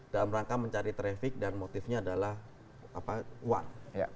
dalam rangka mencari traffic dan motifnya adalah uang